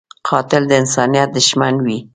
قاتل د انسانیت دښمن وي